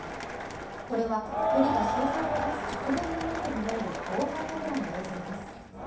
これはヘリが消息を絶つ直前のものとみられる防犯カメラの映像です。